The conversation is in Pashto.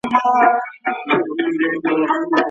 ولي محنتي ځوان د لوستي کس په پرتله ژر بریالی کېږي؟